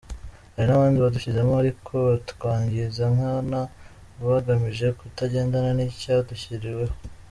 Hari n’abandi badushyizemo ariko batwangiza nkana bagamije kutagendana n’icyadushyiriweho.